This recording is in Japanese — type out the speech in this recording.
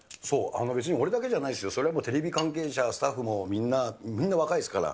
別に俺だけじゃないですよ、それはもう、テレビ関係者やスタッフもみんな、みんな若いですから。